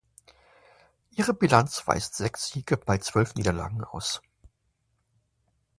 Ihre Bilanz weist sechs Siege bei zwölf Niederlagen aus.